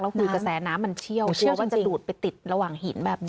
แล้วดูแก่แสนน้ำมันเชี่ยวหวังว่าจะดูดไปติดระหว่างหินแบบนี้